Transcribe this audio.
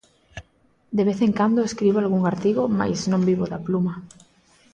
De vez en cando escribo algún artigo mais non vivo da pluma.